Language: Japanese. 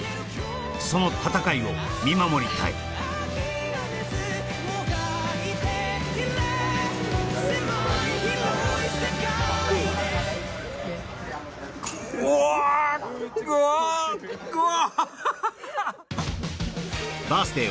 その戦いを見守りたい・おわぐおぐお！